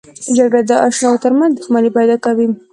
جګړه د اشناو ترمنځ دښمني پیدا کوي